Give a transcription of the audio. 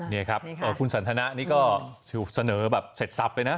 นี่ครับคุณสันทนะนี่ก็ถูกเสนอแบบเสร็จทรัพย์เลยนะ